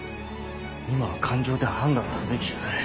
今は感情で判断すべきじゃない。